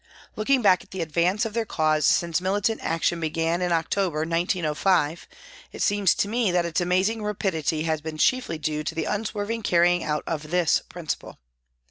Looking back at the advance of their cause since militant action began in October, 1905, it seems to me that its amazing rapidity has been chiefly due to the unswerving carrying out of this principle.